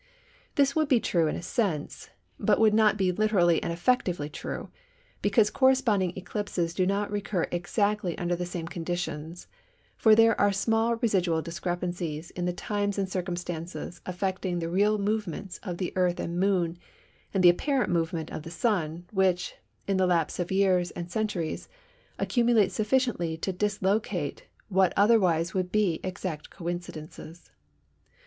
This would be true in a sense, but would not be literally and effectively true, because corresponding eclipses do not recur exactly under the same conditions, for there are small residual discrepancies in the times and circumstances affecting the real movements of the Earth and Moon and the apparent movement of the Sun which, in the lapse of years and centuries, accumulate sufficiently to dislocate what otherwise would be exact coincidences.